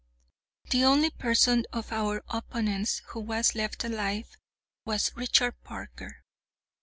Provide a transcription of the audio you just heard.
The only person of our opponents who was left alive was Richard Parker.